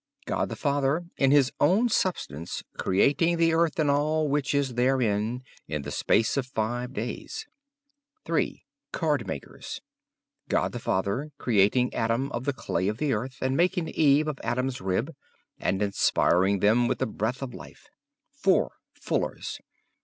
God the Father, in his own substance, creating the earth and all which is therein, in the space of five days. 3. Cardmakers. God the Father creating Adam of the clay of the earth and making Eve of Adam's rib, and inspiring them with the breath of life. 4. Fullers.